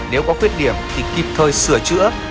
nếu có khuyết điểm thì kịp thời sửa chữa